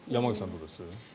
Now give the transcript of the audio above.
どうですか。